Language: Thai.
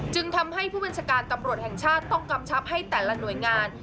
จึงทำให้ผู้บัญชาการตำรวจแห่งชาติต้องกำชับให้แต่ละหน่วยงาน